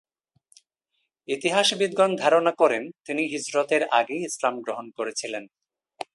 ইতিহাসবিদগণ ধারণা করেন, তিনি হিজরতের আগেই ইসলাম গ্রহণ করেছিলেন।